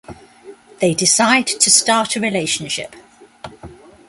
They decide to start a relationship.